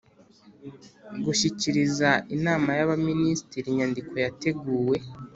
Gushyikiriza Inama y Abaminisitiri inyandiko yateguwe